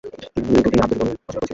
তিনি দুটি আত্মজীবনী রচনা করেছিলেন।